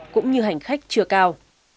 cũng như hành khách chưa cao